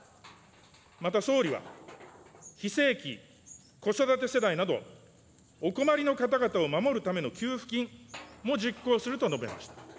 また、総理は非正規、子育て世代など、お困りの方々を守るための給付金も実行すると述べました。